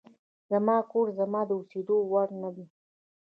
زما کور زما د اوسېدلو وړ نه دی.